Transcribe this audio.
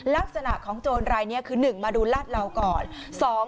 ลักษณะของโจรรายนี้คือ๑มาดูลาดเหลาก่อน